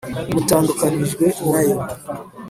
Mutandukanyijwe na yo